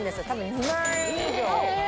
２万円以上。